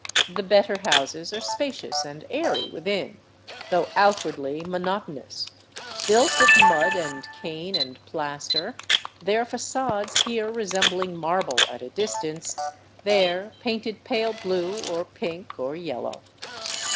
The better houses are spacious and airy within, though outwardly mo notonous, built of mud and cane and plaster, their fagades here re sembling marble at a distance, there painted pale blue, or pink, or yellow.